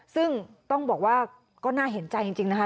ซึ่งต้องบอกว่าก็น่าเห็นใจจริงนะคะ